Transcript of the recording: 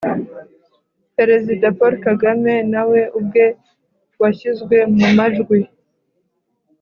perezida paul kagame, nawe ubwe washyizwe mu majwi